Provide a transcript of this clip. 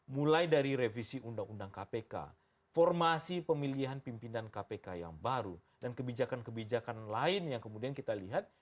mulai dari revisi undang undang kpk formasi pemilihan pimpinan kpk yang baru dan kebijakan kebijakan lain yang kemudian kita lihat